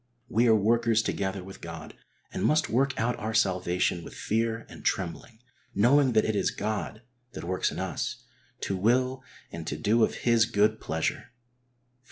We arc workers together with God and must work out our salvation with fear and trembling, knowing that it is God that works in us, to will and to do of His good pleasure \Phil.